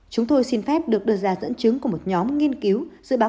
chúng tôi xin phép được đưa ra dẫn chứng của một nhóm nghiên cứu dự báo